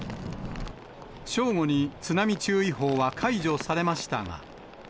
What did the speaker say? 正午に津波注意報は解除されましたが。